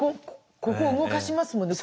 ここ動かしますもんね。